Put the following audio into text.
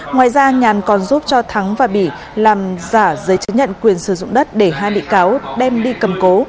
ngoài ra nhàn còn giúp cho thắng và bỉ làm giả giấy chứng nhận quyền sử dụng đất để hai bị cáo đem đi cầm cố